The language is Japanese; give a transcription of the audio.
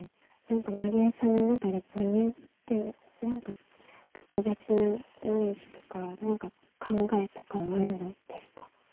万里絵さんの中で母乳って何か特別なイメージとか考えとかあるんですか？